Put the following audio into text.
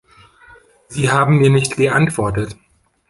Sie haben mir nicht geantwortet.